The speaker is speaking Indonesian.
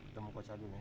ketemu kocagung ya